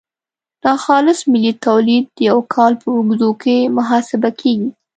ناخالص ملي تولید د یو کال په اوږدو کې محاسبه کیږي.